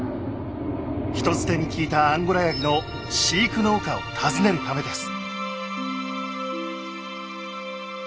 人づてに聞いたアンゴラやぎの飼育農家を訪ねるためです。